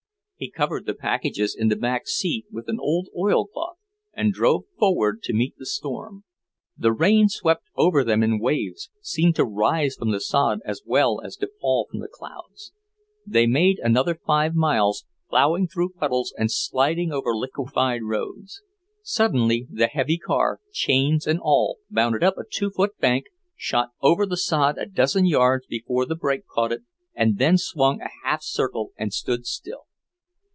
He covered the packages in the back seat with an oilcloth and drove forward to meet the storm. The rain swept over them in waves, seemed to rise from the sod as well as to fall from the clouds. They made another five miles, ploughing through puddles and sliding over liquefied roads. Suddenly the heavy car, chains and all, bounded up a two foot bank, shot over the sod a dozen yards before the brake caught it, then swung a half circle and stood still.